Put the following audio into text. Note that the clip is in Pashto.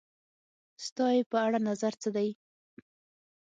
ستا یی په اړه نظر څه دی؟